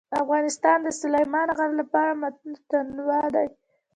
افغانستان د سلیمان غر له پلوه متنوع دی.